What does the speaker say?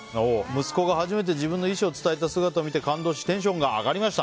息子が初めて自分の意思を伝えた姿を見て感動しテンションが上がりました。